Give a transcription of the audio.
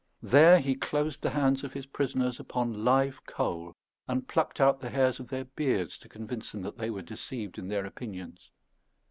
There he closed the hands of his prisoners upon live coal, and plucked out the hairs of their beards, to convince them that they were deceived in their opinions.